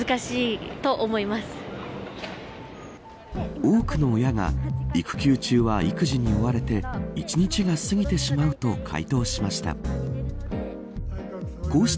多くの親が育休中は育児に追われて一日が過ぎてしまうと回答しました。